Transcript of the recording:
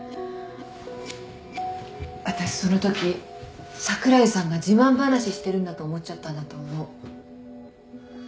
私そのとき櫻井さんが自慢話してるんだと思っちゃったんだと思う。